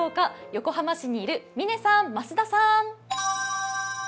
横浜市にいる嶺さん、増田さん！